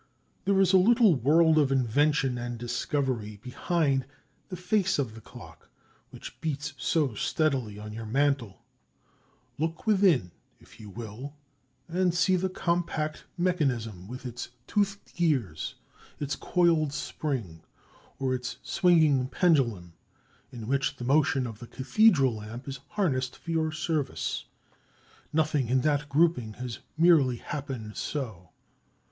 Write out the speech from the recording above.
There is a little world of invention and discovery behind the face of the clock which beats so steadily on your mantel. Look within if you will, and see the compact mechanism with its toothed gears, its coiled spring, or its swinging pendulum, in which the motion of the cathedral lamp is harnessed for your service,—nothing in that grouping has merely happened so.